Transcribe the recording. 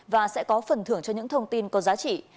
và sẽ có phần thưởng cho những thông tin có giá trị